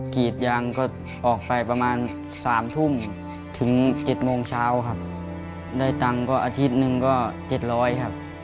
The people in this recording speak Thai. กรีดยางก็ออกไปประมาณ๓ทุ่มถึง๗โมงเช้าครับได้ตังค์ก็อาทิตย์หนึ่งก็๗๐๐ครับ